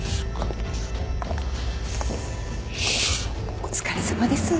お疲れさまです。